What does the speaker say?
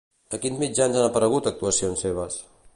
A quins mitjans han aparegut actuacions seves?